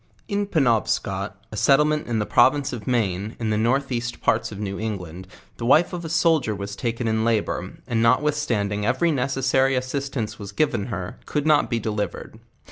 In PenobscoU a settlement in the province of Maine, in the north east parts of New England, the wife of a soldier was taken in labour, and notwithstanding every necessary as sistance was given her, could not be delivered.